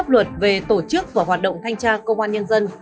pháp luật về tổ chức và hoạt động thanh tra công an nhân dân